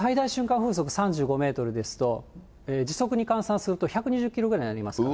風速３５メートルですと、時速に換算すると１２０キロぐらいになりますから。